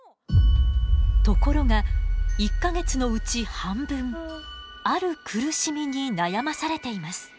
ところが１か月のうち半分ある苦しみに悩まされています。